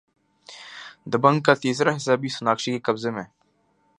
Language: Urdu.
دبنگ کا تیسرا حصہ بھی سوناکشی کے قبضے میں